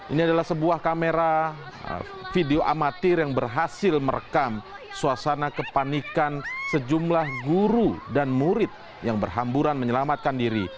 ini adalah sebuah kamera video amatir yang berhasil merekam suasana kepanikan sejumlah guru dan murid yang berhamburan menyelamatkan diri